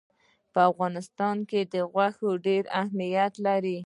په افغانستان کې غوښې ډېر اهمیت لري.